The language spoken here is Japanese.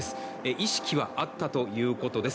意識はあったということです。